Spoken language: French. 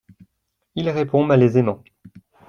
Il répond malaisément.